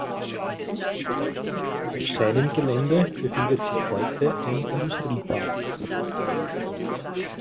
Auf seinem Gelände befindet sich heute ein Industriepark.